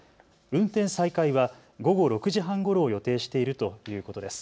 運転再開は午後６時半ごろを予定しているということです。